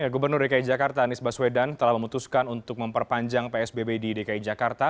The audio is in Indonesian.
gubernur dki jakarta anies baswedan telah memutuskan untuk memperpanjang psbb di dki jakarta